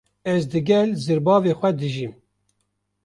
Ez digel zirbavê xwe dijîm.